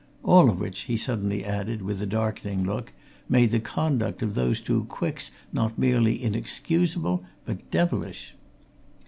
All of which," he suddenly added, with a darkening look, "made the conduct of these two Quicks not merely inexcusable, but devilish!"